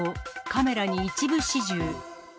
カメラに一部始終。